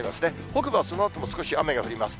北部はそのあとも少し雨が降ります。